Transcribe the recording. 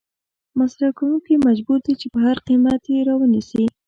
مصرف کوونکې مجبور دي چې په هر قیمت یې را ونیسي.